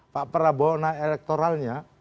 pak prabowo naik elektoralnya